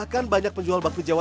bahkan banyak penjual bakmi jawa